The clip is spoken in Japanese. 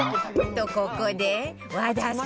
とここで和田明日香さん